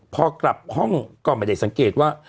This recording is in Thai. พอกลับห้องก็ไม่ได้สังเกตว่า